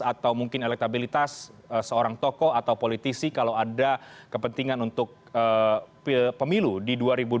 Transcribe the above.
atau mungkin elektabilitas seorang tokoh atau politisi kalau ada kepentingan untuk pemilu di dua ribu dua puluh